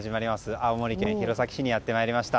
青森県弘前市にやってまいりました。